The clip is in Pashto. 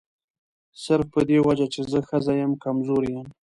صرف په دې وجه چې زه ښځه یم کمزوري یم.